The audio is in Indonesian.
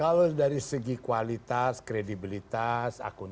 kalau dari segi kualitas kredibilitas akun